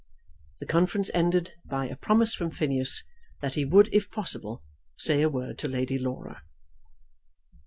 The conference ended by a promise from Phineas that he would, if possible, say a word to Lady Laura.